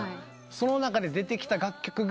その中で出てきた楽曲が。